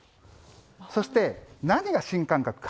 そして、何が新感覚か。